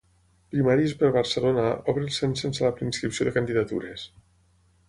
Primàries per Barcelona obre el cens sense la preinscripció de candidatures.